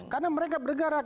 karena mereka bergerak